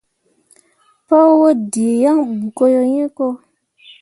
Paa waddǝǝ yaŋ bu yo hĩĩ ko.